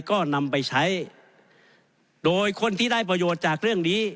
ก็นำไปใช้โดยคนที่ได้ประโยชน์จากเรื่องนี้